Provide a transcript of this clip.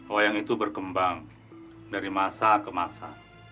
wayang itu berkembang dari masa ke masa